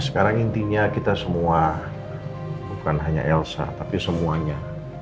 sekarang intinya kita semua bukan hanya elsa tapi semuanya